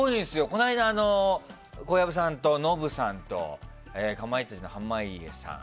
この間、小籔さんと、ノブさんとかまいたちの濱家さん